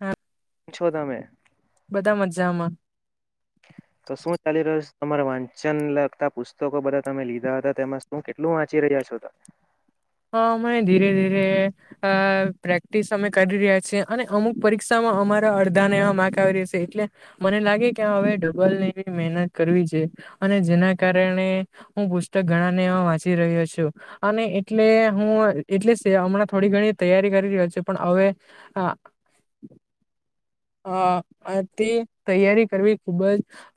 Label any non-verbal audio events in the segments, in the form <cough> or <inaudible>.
હા ચૌદહ મે બદા મજામાં તો શું ચાલી રહ્યુ છ તમારા વાંચન લગતા પુસ્તકો બધા તમે લીધા હતા, તેમાં શું કેટલું વાંચી <unintelligible> હં, અમણે ધીરે ધીરે અ પ્રેક્ટિસ અમે કરી રહ્યા છે અને અમુક પરીક્ષા હં અમારા અડધા ને એવા માક આવી રેશે એટલે મને લાગે કે અવે ડબલ ને એવી મેહનત કરવી જે અને જેના કારણે હું પુસ્તક ઘણાને એવા વાંચી રહ્યો છું અને એ એટલે હું એટલે સે હમણાં થોડી ઘણી તૈયારી કરી રીયો છું પણ અવે હાં <inaudible> હં, અતે તૈયારી કરવી ખુબ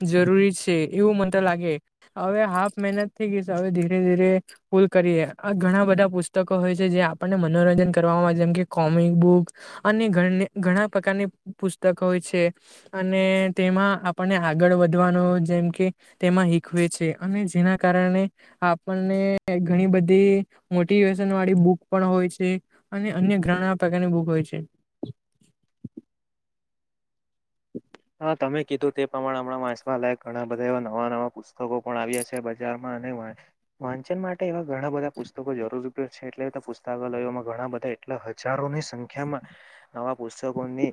જ જરૂરી છે એવું મન્તો લાગ ગે, હવે હાફ મહેનત થઈ ગઈ છે, હવે ધીરે ધીરે ફુલ કરીએ. ઘણા બધા પુસ્તકો હોય છે જે આપણને મનોરંજન કરવામાં જેમ કે કોમિક બુક અને ઘણી ઘણા પ્રકારની પુસ્તક હોય છે અને તેમાં આપણને આગળ વધવાનો જેમ કે તેમાં હીખવે છે અને જેના કારણે આપણને ઘણી બધી મોટિવેશન વાળી બુક પણ હોય છે અને અન્ય ગાણા પ્રકારની બુક હોય છે <inaudible> હા તમે કીધું તે પ્રમાણે હમણાં વાંસવા લાયક ઘણા બધા એવા નવા નવા પુસ્તકો પણ આવ્યા છે બજારમાં. અને વાં વાંચન માટે એવા ઘણા બધા પુસ્તકો જરૂરી પ છે. એટલેતો પુસ્તાકલયોમાં ઘણા બધા એટલા હજારોની સંખ્યામાં નવા પુસ્તકોની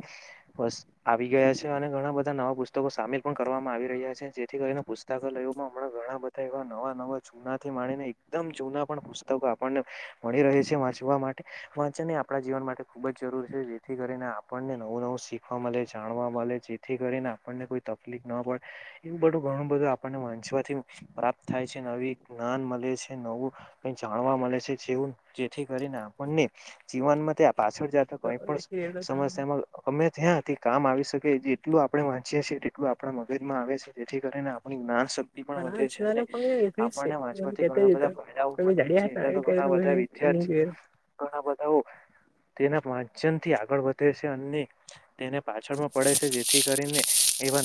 પસ આવી ગયા છે. અને ઘણા બધા નવા પુસ્તકો સામેલ પણ કરવામાં આવી રહ્યા છે, જેથી કરીને પુસ્તાકાલયોમાં હમણાં ઘણા બધા એવા નવા નવા જૂનાથી માળીને એકદમ જૂના પણ પુસ્તકો આપણને મળી રહે છે વાંચવા માટે વાંચન એ આપણા જીવન માટે ખુબ જ જરૂરી છે, જેથી કરીને આપણને નવું નવું શીખવા મલે, જાણવા મલે જેથી કરીને આપણને કોઈ તકલીફ ન પડ એવું બધું ઘણું બધું આપણને વાંચવાથી પ્રાપ્ત થાય પછી નવી જ્ઞાન મલે છે, નવું કંઈ જાણવા મલે છે, જેવું જેથી કરીને આપણને જીવનમાં તે આ પાછળ જાતા કંઈ પણ સમસ્યામાં અમે ત્યાં તે કામ આવી શકે જે ટલું આપણે વાંચીએ છે તેટલું આપણા મગજમાં આવે છે, તેથી કરીને આપણી ના શક્તિ પણ આ વધે છે, જુના અને ના પણ એવી છે આપણને મને વાંચવાથી કેતા ઘણા બધા હતા ફાયદાઓ અમે પણ થાય જાડ્યા છે, એટલે તો ઘણા બધા વિ <unintelligible> ઘણા બધાઓ તેના વાચન થી આગળ વધે છે, અને તેને પાછળમાં પડે છે જે કરીને એવા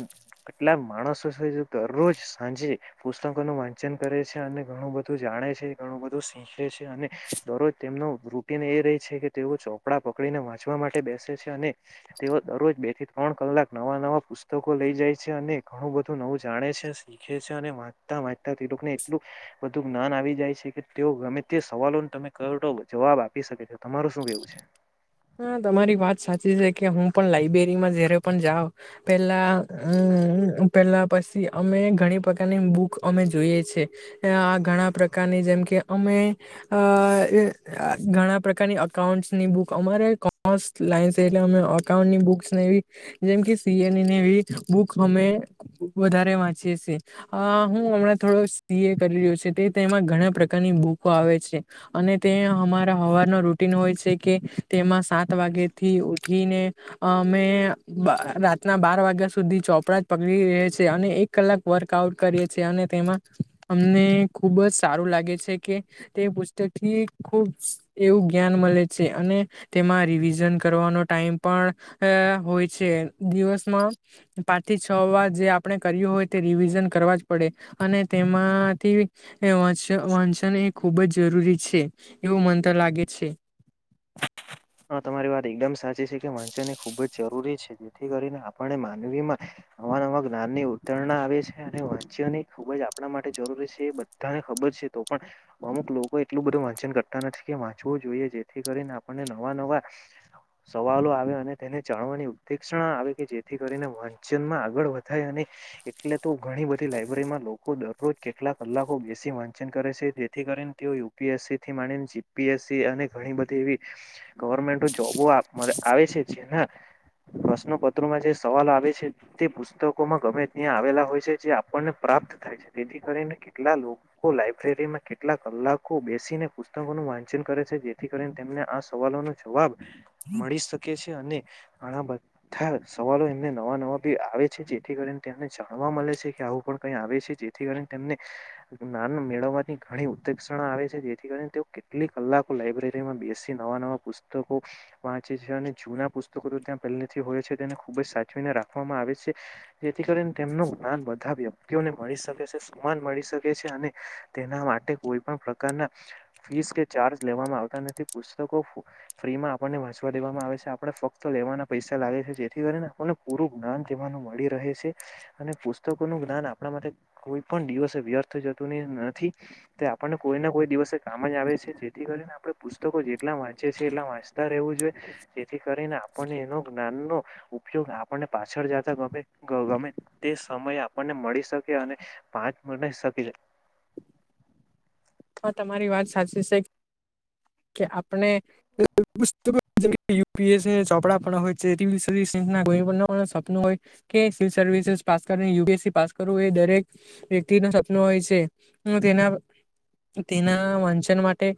કેટલાક માણસો છે જે દરોજ સાંજે પુસ્તકો નું વાંચન ક રે છે અને ઘણું બધું જાણે છે, ઘણું બધું શીંખે છે, અને દરોજ તેમનું રૂટીન એ રે છ કે તેઓ ચોપડા પકડીને વાંચવા માટે બેસે છે અને તેઓ દરોજ બે થી ત્રણ કલાક નવા નવા પુસ્તકો લઈ જાય છે, અને ઘણું બધું નવું જાણે છે, શીખે છે, અને વાંચતા વાંચતા તે લોકને એટલું બધું જ્ઞાન આવી જાય છે, કે તેઓ ગમે તે સવાલોન તમે કરો તો જવાબ આપી શકે તમારું શું કેવું છે? હં, તમારી વાત સાચી છે, કે હું પણ લાઈબેરીમાં જયારે પણ જાઉં, પેલ્લા અં અં પેલ્લા પસી અમે ઘણી પકારની બુક અમે જોઈએ છે, એં આં ઘણા પ્રક કારની જેમ કે અમે અ આ ઘણા પ્રકારની અઉન્ટ્સની બુક અમારે કોમર્સ લાઈન્ સે, એટલે અમે અકાઉન્ટની બુક્સ ને એવી, જેમ કે સીએન ની નેવી બુક હમે વધારે વાંચીએ સે, આં હું અમણાં થોડો સી એ કરી રહ્યો છે તે તેમાં ઘણા પ્રકારની બુકો આવે છે, અને તે હમારા હવાર નો રૂટીન હોય છે કે તેમાં સાત વાગેથી ઉઠીને, અ મે બ રાતના બાર વાગ્યા સુધી જ ચોપડા જ પકડી રેયે છે, અને એક કલાક વર્કઆઉટ કરીએ છે, અને તેમાં અમને ખુબ જ સારું લાગે છે કે તે પુસ્તક થી ખુબ સ્ એવું જ્ઞાન મલે છે, અને તેમાં રિવિઝન કરવાનો ટાઈમ પણ અ હોય છે દિવસમાં પાંચ થી છો વાર જે આપણે કર્યું હોય તે રિવિઝન કરવા જ પડે, અને તેમાંથી એ વાચ વાંચન એ ખૂબ જ જરૂરી છે, એવું મન્તો લાગે છે. હા, તમારી વાત એકદમ સાચી છે, કે વાંચન એ ખૂબ જ જરૂરી છે, જેથી કરીને આપણને માનવીમાં નવા નવા જ્ઞાન ની ઉતરણા આવે છે. અને વાંચ્યની ખુબ જ આપણા માટે જરૂરી છે એ બધાને ખબર છે તો પણ અમુક લોકો એટલું બધું વાંચન કરતા નથી, કે વાંચવું જોઈએ, જેથી કરીને આપણને ન વા નવા સવાલો આવે અને તેને જાણવાની ઉદક્ષણા આવે કે જેથી કરીને વાંચન માં આગળ વધાય અને એટલે તો ઘણી બધી લાઈબ્રેરીમાં લોકો દરરોજ કેટલા કલાકો બેસી વાંચન કરે છે જેથી કરીને તેઓ યુ પી એસ સી થી માળીન જી પી એસ સી અને ઘણી બધી એવી ગવર્મેન્ટો જોબો આપ મ આવે છે, જેના પ્રશ્નપત્રમાં જે સવાલ આવે છે, તે પુસ્તકોમાં ગમે ત્યાં આવેલા હોય છે જે આપણને પ્રાપ્ત થાય છે તેથી કરીને કેટલા લોકો લાયબ્રેરીમાં કેટલા કલાકો બેસીને પુસ્તકોનું વાંચન કરે છે, જેથી કરીને તેમને આ સવાલો નો જવાબ મળી શકે છે અને ઘણા બધા સવાલો એમને નવા નવા બી આવે છે, જેથી કરીને તેમને જાણવા મળે છે કે આવું પણ કઈ આવે છે, જેથી કરી તેમને જ્ઞાન મેળવવાની ઘણી ઉદક્ષ ઉત્તીશણા આવે છે, જેથી કરી ને તેઓ કેટલી કલાકો લાયબ્રેરી માં બેસી નવા નવા પુસ્તકો વાંચે છે અને જૂના પુસ્તકો તો ત્યાં પેહલે થી હોય છે તેને ખુબ જ સાચવીને રાખવામાં આવે છે, જેથી કરીને તેમનું જ્ઞાન બાધારયમ <unintelligible> મળી શકે છે, સમાન મળી શકે છે અને તેના માટે કોઈ પણ પ્રકારના ફીસ કે ચાર્જ લેવામાં આવતા નથી. પુસ્તકો ફ્રી માં આપણને વાંચવા દેવામાં આવે છે. આપણે ફક્ત લેવાના પૈસા લાગે છે જેથી કરીને પૂ ર્ણ પૂરું જ્ઞાન તેમનું મળી રહે છે અને પુસ્તકો નું જ્ઞાન આપણા માટે કોઈ પણ દિવસે વ્યર્થ જતું ન નથી તે આપણને કોઈ ના કોઈ દિવસે કામ જ આવે છે જેથી કરીને આપડે પુસ્ તકો જેટલા વાંચે છે એટલા વાંચતા રહેવું જોયે જેથી કરીને આપણને એનો જ્ઞાન નો ઉપયોગ આપણને પાછળ જતા ગમે ગમે તે સમય આપણને મળી શકે અને પાંચ મના હિસા પીલે હ તમારી વાત સાચી સે કે આપણે <unintelligible> યુ પી એસ સી ના ચોપડા પણ હોય છે <unintelligible> <unintelligible> હોય કે સિવિલ સર્વિસિસ પાસ કરવું ને U P S C pass કરવું એ દરેક વિ દ્યાર્થીનું સપનું હોય છે, ન તેના તેના વાંચન માટે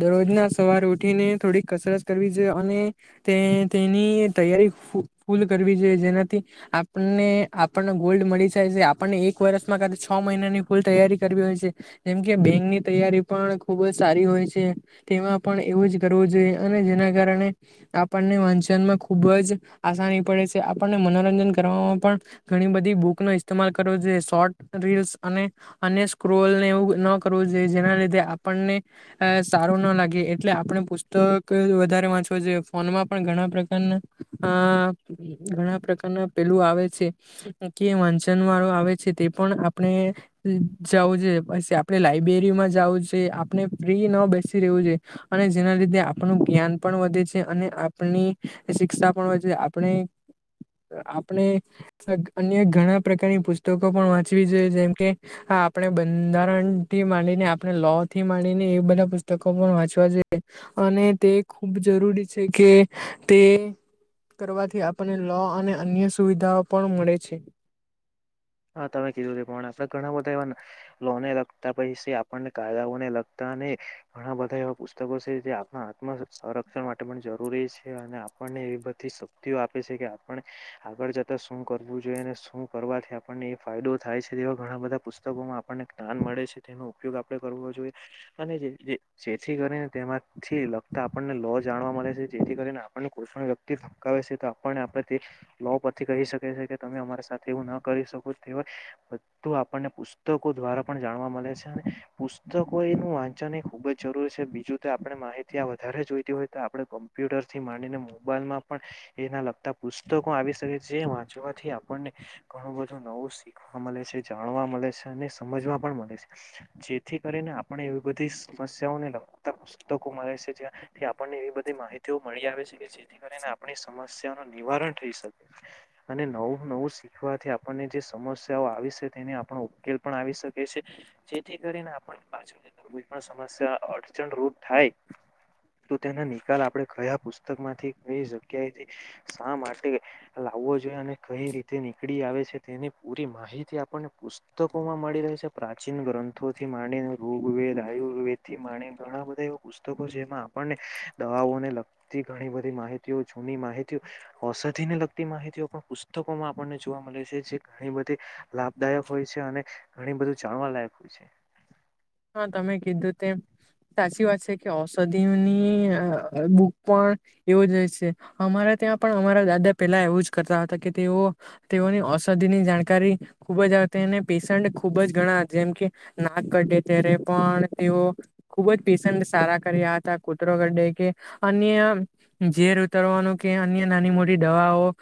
દરરોજના સવારે ઉઠીને થોડીક કસરત કરવી જોયે અને તે તેની તૈયારી ફૂલ કરવી જોઈએ, જેનાથી આપને આપણને ગોલ્ડ મળી જાય છે, આપણને એક વર્ષમાં કર છ મહિના ની ફૂલ તૈયારી કરવી હોય છે. જેમ કે બેંકની તૈયારી પણ ખુબ જ સારી હોય છે. તેમાં પણ એવું જ કરવું જોઈએ અને જેના કારણે આપણને વાંચનમાં ખુબ જ આસાની પડે છે. આપણને મનોરંજન કરવામાં પણ ઘણી બધી બુકનો ઇસ્તેમાલ કરવો જોયે. શોર્ટ રીલ્સ અને અન્ય સ્ક્રોલને એવું ન કરવું જોઈએ જેના લીધે આપણને સારું ના લગે, એટલે આપણે પુસ્તક વધારે વાંચવો જોયે. ફોનમાં પણ ઘણા પ્રકારના ઘણા પ્રકારના પેલું આવે છે કે વાંચન વાળો આવે છે તે પણ આપણે જવું જોયે, પછી આપડે લાઈબેરીમાં જવું છે, આપણે ફ્રી નો બે સી રેવું જોયે અને જેના લીધે આપણું જ્ઞાન પણ વધે છે અને આપણી શિક્ષા પણ વ જે આપણે આપણે અન્ય ઘણા પ્રકારની પુસ્તકો પણ વાંચવી જોઈએ જેમ કે આપણે બંધારણ થી માંડીને આપણે લો થી માંડીને એ બધા પુ પુસ્તકો પણ વાંચવા જોયે અને તે ખૂબ જરૂરી છે કે તે કરવાથી આપણને લો અને અન્ય સુવિધાઓ પણ મળે છે. હા તમે કીધું તે પણ આપડા ઘણા બધા એવા લોને લગતા પૈસા આપણને કાયદાઓને લગતા ઘણા બધા એવા પુસ્તકો છે જે આપણા આત્મ સંરક્ષણ માટે પણ જરૂરી છે અને આપ ળને એવી બધી શક્તિઓ આપે છે કે આપણે આગળ જતા શું કરવું જોઈએ અને શું કરવાથી આપણને એ ફાયદો થાય છે તેવા ઘણા બધા પુસ્તકોમાં આપણને જ્ઞાન મળે છે તેનો ઉપયોગ આપણે કરવો જોઈએ. અને જેથી કરીને તેમાંથી લગતા આપણને લો જાણવા મળે છે જેથી કરીને આપણને પો વ્યક્તિ ફકાવે છે તો આપણને આપથી લો પથી કહી શકે છે કે તમે અમાર સાથે એવું ન કરી શકો. બું ધી આપણને પુસ્તકો દ્વારા પણ જાણવા મલે છે અને પુસ્તકો એ વાંચનની ખૂબ જરૂરી છે. બીજું તો આપણે માહિતી આ વધારે જોઈતી હોય તો આપણે કોમ્પ્યુટરથી માંડીને મો બાઇલમાં પણ એના લગતા પુસ્તકો આવી શકે જે વાંચવાથી આપણને ઘણું બ ધુ નવું શીખવા મલે છે, જાણવા મલે છે અને સમજવા પણ મળે છે. જેથી કરીને આપણે એવી બધી સમસ્યાઓને લગતા પુસ્તકો મળે છે જ્યાંથી આપણને એવી બધી માહિતીઓ મળી આવે છે કે કરીને આપણી સમસ્યા નું નિવારણ થઈ શકે અને નવું નવું શીખવાથી આપણને જે સમસ્યાઓ આવી છે તેને આપણો ઉકેલ પણ આવી શકે છે જેથી કરીને આપણુ. કોઈ પણ સમસ્યા અડચણ રૂપ થાય. તો તેના નિકાલ આપણે કયા પુસ્તક માંથી કઈ જગ્યાએથી શા માટે આવવો જોઈએ અને કઈ રીતે નીકળી આવે છે. તેની પૂરી માહિતી આપણને પુસ્તકો માં મળી રહી છે પ્રાચીન ગ્રંથોથી માંડીને રોગ આયુર્વેદ થી મા ઘણા બધા એવા પુસ્તકો જેમાં આપણને દવાઓને લગતી ઘણીધી માહિતી જૂની માહિતી ઔષધિ ને લગતી માહિતીઓ પણ પુસ્તકોમાં આપણને જોવા મળે છે. જે ઘણી બધી લાભદાયક હોય છે અને ઘણી બધું જાણવા લાયક હોય છે. હા તમે કીધું તેમ સાચી વાત છે કે ઔષધિની બુક પણ એવું જાય છે. અમારા ત્યાં પણ અમારા દાદા પેલા એવું જ કરતા હતા કે તેઓ તેઓની ઔષધિની જાણકારી. ખૂબ જ આવ પેશન્ટ ખુબ જ ગણા જેમ કે નાક કઢે. ત્યારે પણ તેઓ ખુબ જ પસ સારા કર્યા હતા કૂતરોે કે. ઝેર ઉતરવાનું કે અન્ય નાની મોટી દવાઓ.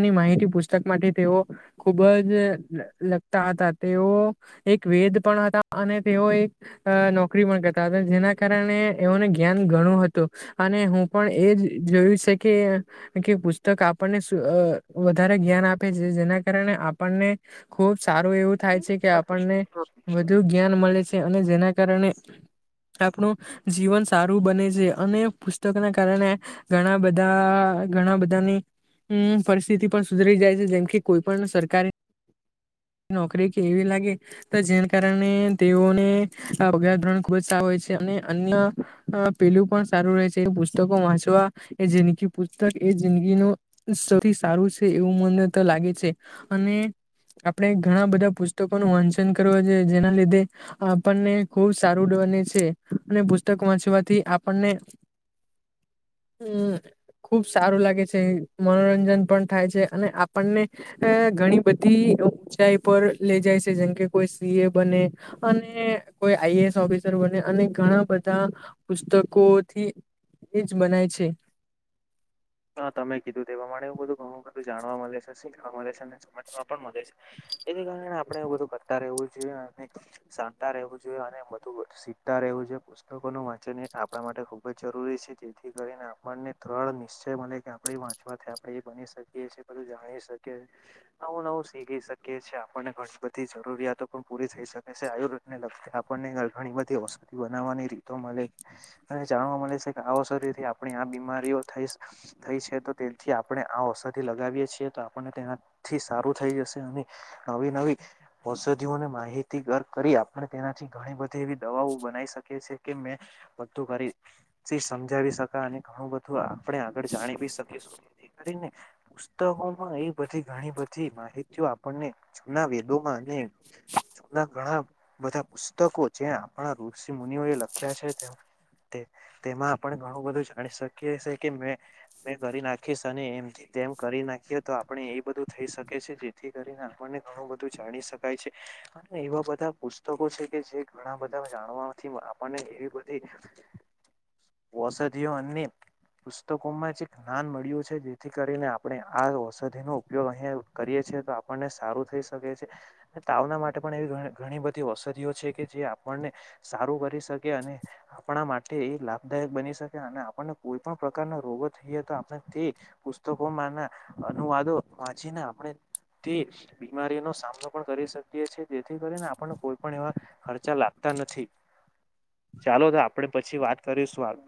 ની માહિતી પુસ્તક માટે તેઓ ખુબ જ લગતા હતા તેઓ. એક વેદ પણ હતા અને તેઓ એક નોકરી પણ કરતા હતા જેના કારણે એઓને જ્ઞાન ઘણું હતું અને હું પણ એ જ જોયું છે કે કે પુસ્તક આપણને વધારે જ્ઞાન આપે છે જેના કારણે આપણને ખુબ સારું એવું થાય છે કે. આપણને વધુ જ્ઞાન મળે છે અને જેના કારણે. આપણું જીવન સારું બને છે અને પુસ્તક ના કારણે ઘણા બધા. ઘણા બધાની પરિસ્થિતિ પણ સુધરી જાય છે જેમ કે કોઈ પણ સરકારી. નોકરી કેવી લાગે. તો જેના કારણે તેઓને આ પગાર ધોરણ ખુબ જ સારું હોય છે અને અન્ય. પેલું પણ સારું રહે છે એ પુસ્તકો વાંચવા એ જિંદગી પુસ્તક એ જિંદગીનું. સારું છે એવું મને તો લાગે છે અને આપણે ઘણા બધા પુસ્તકો ન વંચન. જેના લીધે આપણને ખુબ સારું બને છે અને પુસ્તક વાંચવાથી. આપણને. <inaudible> હમ. ખુબ સારું લાગે છે મનોરંજન પણ થાય છે અને આપણને ઘણી બધી. ઊંચાઈ પર લઈ જાય છે જેમ કે. કોઈ સી એ બને અને કોઈ આઈએસ ઓફિસર બને અને ઘણા બધા પુસ્તકોથી એજ બનાય છે. <inaudible> હા તમે કીધું તે પ્રમાણે એવું બધું ઘણું બધું જાણવા મળે છે શીખવા મળે છે અને સમજવા પણ મળે છે. એની કારણે આપણે એ બધું કર વું જોઈએ અને શાતા રહેવું જોઈએ અને બધું શીખતા રહેવું જોઈએ પુસ્તકોનું વાંચન આપણા માટે ખુબ જ જરૂરી છે જેથી કરીને આપણને ત્રણ નિશ્ચ મને કે આપડી વાંચવાથીાય આપણે એ બની શકીએ છીએ પધું જાણી શકીએ નવું નવું શીખી શકીએ. કે છે આપણને ઘણી બધી જરૂરિયાતો પણ પૂરી થઈ શકે છે આયુર્વેદને લગતા આપણને ઘણી બધી ઔષધ બનાવવાની રીતો મળે અને જાણવા મળે છે કે આવો શરીરથી આપણી આ બીમારીઓ થઈ. થઈ છે તો તેથી આપણે આ ઔષધિ લગાવીએ છીએ તો આપને તેનાથી સારું થઈ જશે અને નવી નવી ઔષધિઓને માહિતી કરી આપણે તેનાથી ઘણી બધી એવી દવાઓ. બના શકે છે કે મેં બધું કરી સમજાવી શકા અને ઘણું બધું આપણે આગળ જાણી બી શકીશુંથી કરીને પુસ્તકોમાં એ બધી ઘણી બધી માહિતી. આપણને જના વેદોમાં અને. જૂના ઘણા બધા પુસ્તકો જે આપણા ઋષિ મુનિઓ એ લખ્યા છે તેમ. તેમાં પણ ઘણું બધું જાણી શકી્યી. કે મે મે કરી નાખીશ અને એમથી તેમ કરી નાખીએ તો આપણે એ બધું થઈ શકે છે જેથી. કરીને આપણને ઘણું બધું જાણી શકાય છે અને એવા બધા પુસ્તકો છે કે જે ઘણા બધા. જાણવાથી આપણને એવી બધી ઔષધિઓ અને પુસ્તકો માં જ જ્ઞાન મળ્યું છે જેથી કરીને આપણે આ ઔષધિ નો ઉપયોગ અહીયાં કરીએ છેએ. આપણને સારું થેય શકે છે. તાવના માટે પણ એવી ઘણી બધી ઔષધિઓ છે કે જે આપણ ને. સારું કરી શકે અને આપણા માટે એ લાભદાયક બની શકે અને આપને કોઈ પણ પ્રકારના રોગો થઈ હતા આપણે તે પુસ્તકોમાં ના અનુવાદો વાંચીને આપણે બીમારીઓ નો સામનો પણ કરી શકીએ છીએ જેથી કરીને આપણને કોઈ પણ એવા ખર્ચા લાગતા ચાલો આપણે પછી વાત કરીશું.